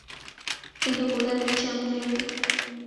কিন্তু কোথায় দিচ্ছি আমি জানি না।